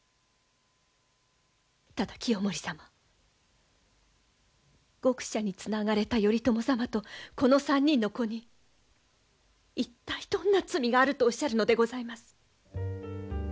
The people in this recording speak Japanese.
ただ清盛様獄舎につながれた頼朝様とこの３人の子に一体どんな罪があるとおっしゃるのでございます？